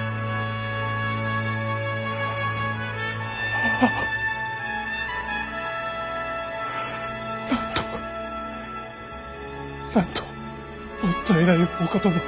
あぁなんとなんともったいないお言葉。